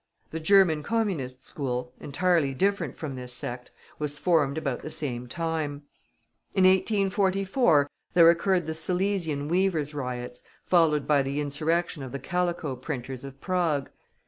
The German Communist school, entirely different from this sect, was formed about the same time. In 1844, there occurred the Silesian weavers' riots, followed by the insurrection of the calico printers of Prague.